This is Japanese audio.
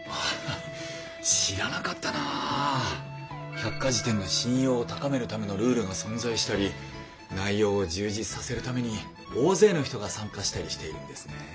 百科事典の信用を高めるためのルールが存在したり内容を充実させるために大勢の人が参加したりしているんですね。